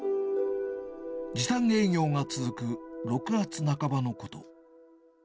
時短営業が続く６月半ばのこと。